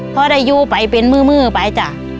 พอได้อยู่ไปเป็นมือไปจ้ะ